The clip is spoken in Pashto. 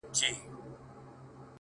د یادې فابریکې فعالیت نه یوازې